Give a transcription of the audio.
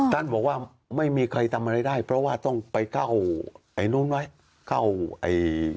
ท่านบอกว่าไม่มีใครทำอะไรได้เพราะว่าต้องไปเก้านู้นไว้